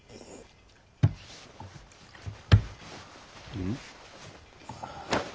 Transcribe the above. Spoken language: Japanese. うん？